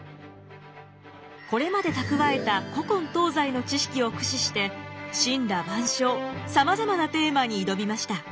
これまで蓄えた古今東西の知識を駆使して森羅万象さまざまなテーマに挑みました。